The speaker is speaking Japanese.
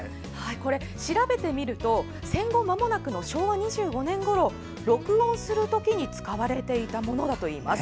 調べてみると戦後まもなくの昭和２５年ごろ録音する時に使われていたものだといいます。